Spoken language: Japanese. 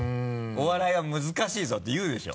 お笑いは難しいぞって言うでしょ？